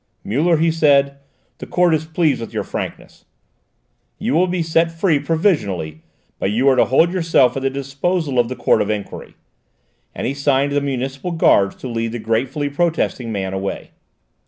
"Muller," he said, "the court is pleased with your frankness. You will be set free provisionally, but you are to hold yourself at the disposal of the court of enquiry," and he signed to the municipal guards to lead the gratefully protesting man away.